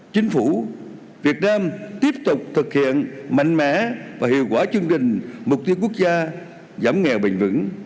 chính phủ việt nam tiếp tục thực hiện mạnh mẽ và hiệu quả chương trình mục tiêu quốc gia giảm nghèo bình vững